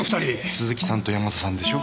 鈴木さんと山田さんでしょ。